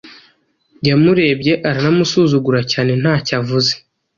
Yamurebye aranamusuzugura cyane ntacyo avuze.